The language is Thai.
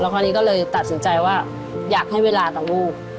คราวนี้ก็เลยตัดสินใจว่าอยากให้เวลาต่อวูบ